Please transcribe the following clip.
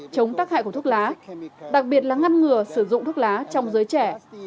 chống tắc hại của thuốc lá đặc biệt là ngăn ngừa sử dụng thuốc lá trong giới trẻ